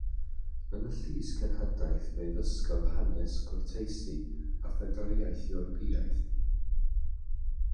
Yn y llysgenhadaeth, fe ddysgodd hanes, cwrteisi, a phedair iaith Ewropeaidd.